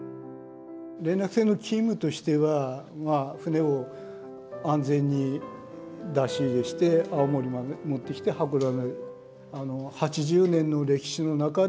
連絡船のチームとしては船を安全に出し入れして青森まで持ってきて函館。